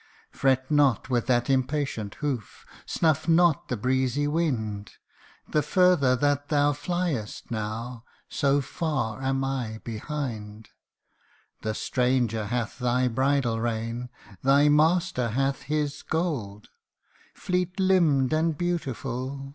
Fret not with that impatient hoof snuff not the breezy wind The further that thou fliest now, so far am I behind ; The stranger hath thy bridle rein thy master hath his gold Fleet limbed and beautiful